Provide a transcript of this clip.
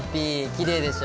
きれいでしょ。